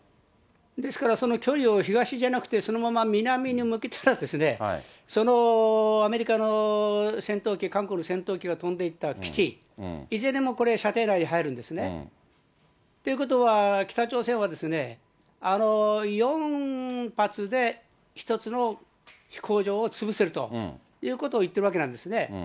ですからその距離を東じゃなくてそのまま南に向けたら、そのアメリカの戦闘機、韓国の戦闘機が飛んでいった基地、いずれもこれ、射程内に入るんですね。ということは、北朝鮮は４発で１つの飛行場を潰せるということを言ってるわけなんですね。